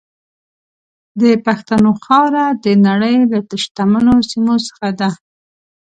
د پښتنو خاوره د نړۍ له شتمنو سیمو څخه ده.